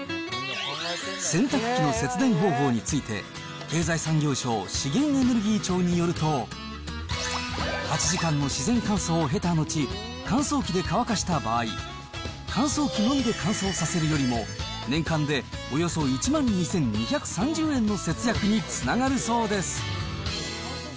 洗濯機の節電方法について、経済産業省資源エネルギー庁によると、８時間の自然乾燥を経たのち、乾燥機で乾かした場合、乾燥機のみで乾燥させるよりも、年間でおよそ１万２２３０円の節約につながるそうです。